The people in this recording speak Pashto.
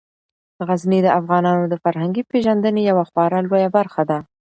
غزني د افغانانو د فرهنګي پیژندنې یوه خورا لویه برخه ده.